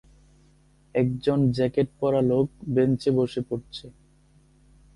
একজন জ্যাকেট পরা লোক বেঞ্চে বসে পড়ছে।